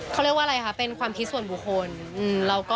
เขาเรียกว่าอะไรคะเป็นความคิดส่วนบุคคล